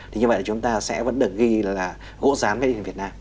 thì như vậy là chúng ta sẽ vẫn được ghi là gỗ rán made in việt nam